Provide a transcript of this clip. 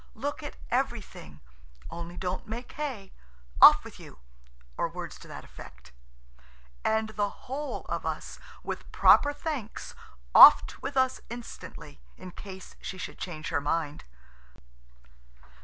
"Look at everything–only don't make hay. Off with you!" or words to that effect. And the whole of us, with proper thanks, offed with us instantly, in case she should change her mind.